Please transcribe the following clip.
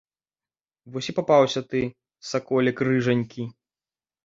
Вось і папаўся ты, саколік рыжанькі!